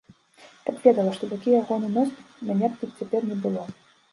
Каб ведала, што такі ягоны носьбіт, мяне б тут цяпер не было.